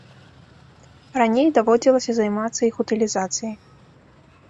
Раней даводзілася займацца іх утылізацыяй.